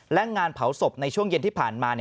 และงานเผาศพในช่วงเย็นที่ผ่านมา